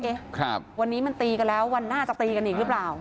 ครับวันนี้มันตีกันแล้ววันหน้าจะตีกันอีกหรือเปล่า